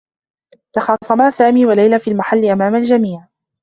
تخاصما سامي و ليلى في المحلّ أمام الجميع.